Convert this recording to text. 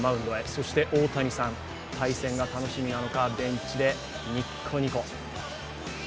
そして大谷さん、対戦が楽しみなのか、ベンチでにっこにこ。